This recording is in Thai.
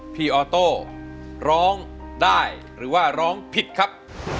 ออโต้ร้องได้หรือว่าร้องผิดครับ